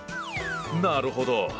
なるほど。